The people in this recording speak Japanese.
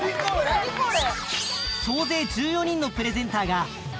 何これ！